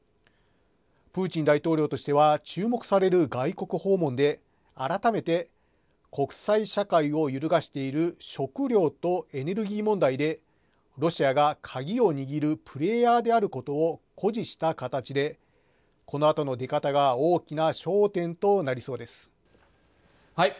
プーチン大統領としては注目される外国訪問で改めて国際社会を揺るがしている食料とエネルギー問題でロシアが鍵を握るプレーヤーであることを固辞した形でこのあとの出方が、大きな焦点とはい。